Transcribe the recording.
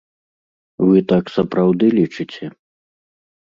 Вы так сапраўды лічыце?